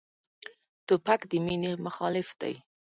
توپک د مینې مخالف دی.